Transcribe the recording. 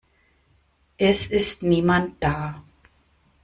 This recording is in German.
Es ist niemand da.